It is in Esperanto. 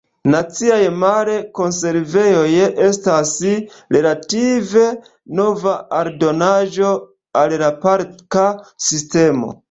Naciaj Mar-Konservejoj estas relative nova aldonaĵo al la parka sistemo.